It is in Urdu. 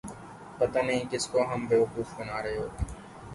پتہ نہیں کس کو ہم بے وقوف بنا رہے ہوتے ہیں۔